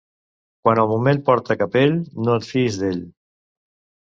Quan el Montmell porta capell, no et fiïs d'ell.